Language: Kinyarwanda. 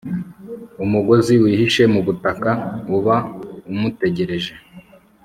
umugozi wihishe mu butaka uba umutegereje